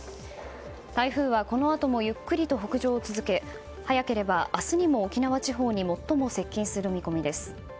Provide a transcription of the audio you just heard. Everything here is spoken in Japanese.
台風は、このあともゆっくりと北上を続け早ければ明日にも沖縄地方に最も接近する見込みです。